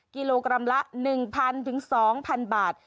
กิโลกรัมละหนึ่งพันถึงสองพันบาท